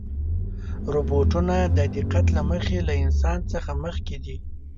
روبوټونه د دقت له مخې له انسان څخه مخکې دي.